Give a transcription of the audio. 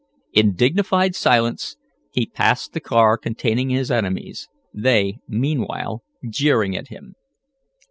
In dignified silence he passed the car containing his enemies, they, meanwhile, jeering at him.